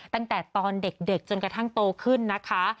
ตั้งแต่ตอนเด็กจนกระทั่งโตขึ้นนะคะ